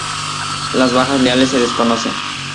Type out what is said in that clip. Las bajas leales se desconocen.